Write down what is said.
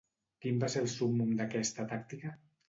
Quin va ser el súmmum d'aquesta tàctica?